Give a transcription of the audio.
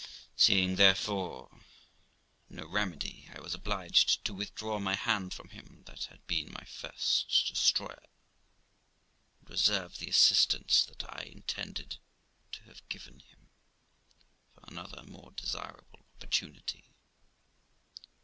Seeing, therefore, no remedy, I was obliged to withdraw my hand from him, that had been m y first destroyer, and reserve the assistance, that I intended to have given him, for another more desirable opportunity.